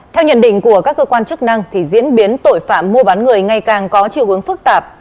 theo nhận định của các cơ quan chức năng diễn biến tội phạm mua bán người ngày càng có chiều hướng phức tạp